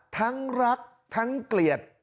ทั้งรักทั้งเกลียด